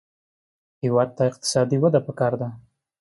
هېواد ته اقتصادي وده پکار ده